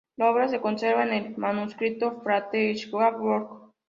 La obra se conserva en el manuscrito "Flateyjarbók".